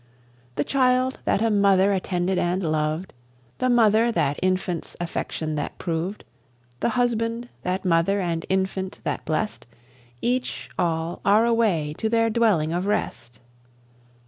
The child that a mother attended and loved, The mother that infant's affection that proved, The husband that mother and infant that blessed, Each, all, are away to their dwelling of rest.